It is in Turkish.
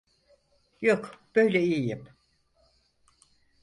Yok, böyle iyiyim.